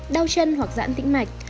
đau chân hoặc dãn tĩnh mạch